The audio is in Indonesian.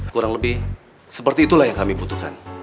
kurang lebih seperti itulah yang kami butuhkan